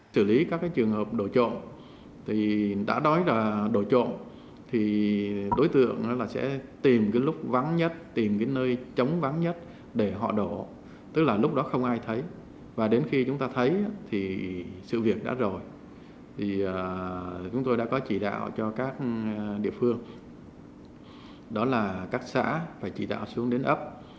sự việc đã rồi chúng tôi đã có chỉ đạo cho các địa phương đó là các xã phải chỉ đạo xuống đến ấp